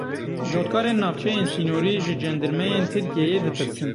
Cotkarên navçeyên sînorî ji cendirmeyên Tirkiyeyê ditirsin.